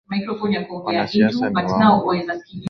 Wanasiasa ni waongo